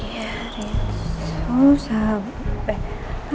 ini kalungnya siapa